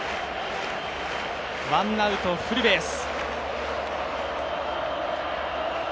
ワンアウト、フルベース。